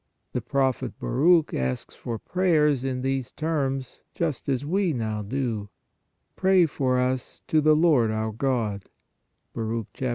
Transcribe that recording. The prophet Baruch asks for prayers in these terms, just as we now do :" Pray for us to the Lord our God " (Bar.